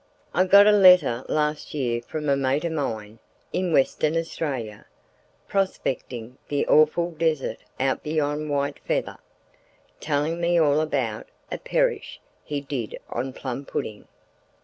I got a letter last year from a mate of mine in Western Australia—prospecting the awful desert out beyond White Feather—telling me all about a "perish" he did on plum pudding.